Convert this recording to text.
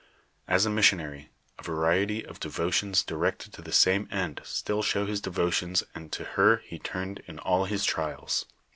As a missionary, a variety of devotions directed to the same end still show his devotions and to her he turned in all his trials.